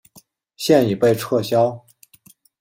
现已被撤销。